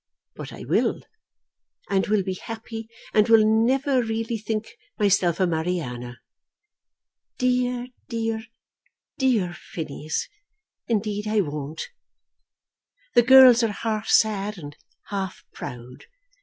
But I will, and will be happy, and will never really think myself a Mariana. Dear, dear, dear Phineas, indeed I won't. The girls are half sad and half proud.